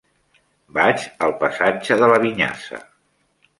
Vaig al passatge de la Vinyassa.